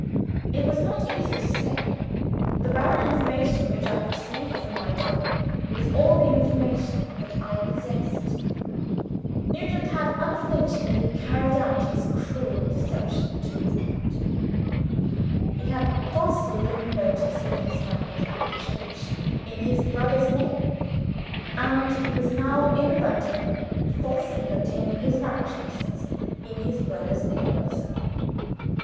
It was not easy to say. The barren information which I had received from my darling was all the information that I possessed. Nugent had unflinchingly carried his cruel deception to its end. He had falsely given notice of his marriage at the church, in his brother's name; and he was now in London, falsely obtaining his Marriage License, in his brother's name also.